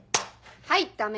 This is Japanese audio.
はいダメ。